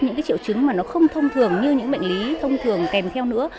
những cái triệu chứng mà nó không thông thường như những bệnh lý thông thường kèm theo nữa